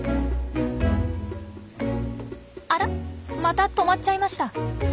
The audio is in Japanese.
あらまた止まっちゃいました。